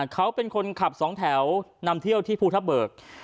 เขาเป็นคนขับสองแถวนำเที่ยวที่ภูทับเบิก